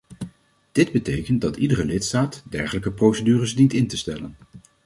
Dit betekent dat iedere lidstaat dergelijke procedures dient in te stellen.